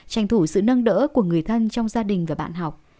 tranh thủ sự nâng đỡ của người thân trong gia đình và bạn học